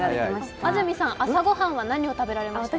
安住さん、朝御飯は何を食べられましたか？